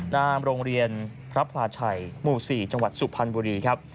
หน้าโรงเรียนพระพลาชัยหมู่๔จังหวัดสุพรรณบุรีครับ